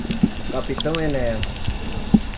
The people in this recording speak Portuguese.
Capitão Enéas